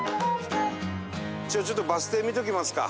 じゃあちょっとバス停見ておきますか。